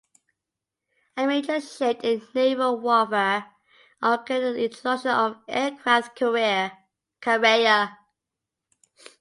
A major shift in naval warfare occurred with the introduction of the aircraft carrier.